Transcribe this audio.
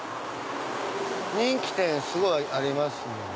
人気店すごいありますもんね。